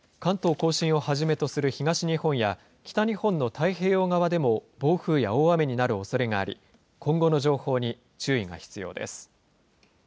甲信をはじめとする東日本や、北日本の太平洋側でも、暴風や大雨になるおそれがあり、今後の情報に注意が必要です。